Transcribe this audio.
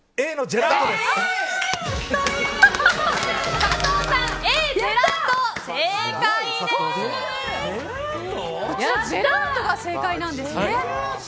ジェラートが正解なんですね。